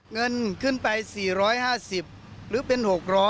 เงินขึ้นไป๔๕๐หรือเป็น๖๐๐